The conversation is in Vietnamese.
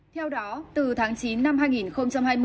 theo đó từ tháng chín năm hai nghìn hai mươi